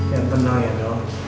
yang tenang ya emang